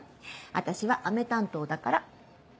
私はアメ担当だから。